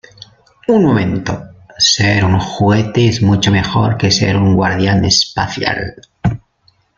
Un momento. Ser un juguete es mucho mejor que ser un guardián espacial .